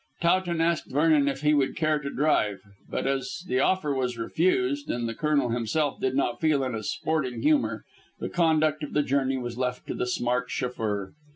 Towton asked Vernon if he would care to drive, but as the offer was refused and the Colonel himself did not feel in a sporting humour, the conduct of the journey was left to the smart chauffeur.